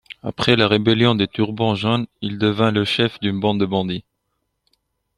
Après la rébellion des Turbans Jaunes, il devint le chef d'une bande de bandits.